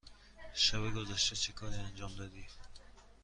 شب گذشته چه کاری انجام دادی؟